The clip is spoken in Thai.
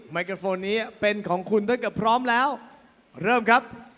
ไมโครโฟนนี้เป็นของคุณตั้งแต่พร้อมแล้วเริ่มครับ